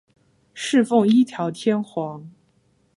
侍奉一条天皇。